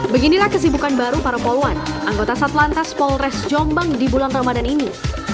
beginilah kesibukan baru para poluan anggota satlantas polres jombang di bulan ramadan ini